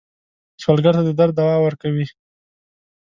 سوالګر ته د درد دوا ورکوئ